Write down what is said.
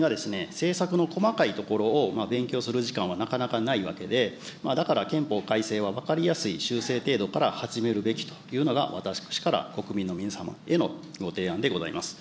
政策の細かいところを勉強する時間はなかなかないわけで、だから憲法改正は分かりやすい修正程度から始めるべきというのが、私から国民の皆様へのご提案でございます。